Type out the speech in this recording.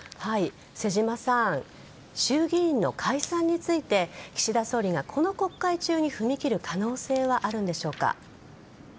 瀬島さん衆議院の解散について岸田総理がこの国会中に踏み切る可能性はあるんでしょうか？